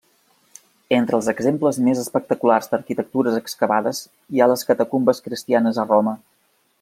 Entre els exemples més espectaculars d'arquitectures excavades hi ha les catacumbes cristianes a Roma.